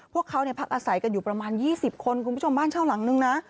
พวกเขาพักอาศัยกันอยู่ประมาณ๒๐คนคุณผู้ชมบ้านเช่าหลังนึงนะ